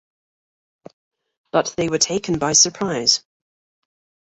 But they were taken by surprise.